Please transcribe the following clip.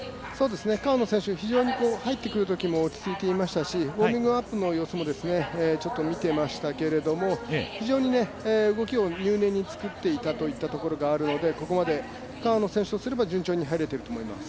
川野選手、非常に入ってくるときも落ち着いていましたしウオーミングアップの様子も見てましたけれども非常に動きを入念に作っていたところがありますのでここまで川野選手とすれば順調には入れていると思います。